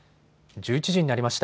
１１時になりました。